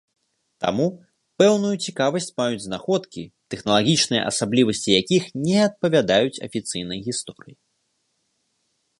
Таму, пэўную цікавасць маюць знаходкі, тэхналагічныя асаблівасці якіх не адпавядаюць афіцыйнай гісторыі.